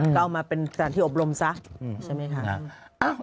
ก็เอามาเป็นสถานที่อบรมซะใช่ไหมคะ